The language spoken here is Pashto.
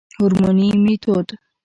هورموني ميتود